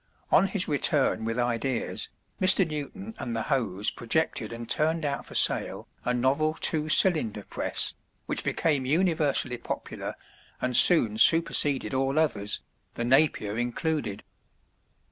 On his return with ideas, Mr. Newton and the Hoes projected and turned out for sale a novel two cylinder press, which became universally popular and soon superseded all others, the Napier included.